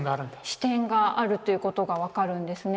視点があるということが分かるんですね。